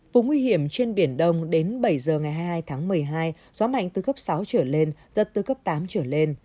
vùng nguy hiểm trên biển đông đến bảy giờ ngày hai mươi hai tháng một mươi hai gió mạnh từ cấp sáu trở lên giật từ cấp tám trở lên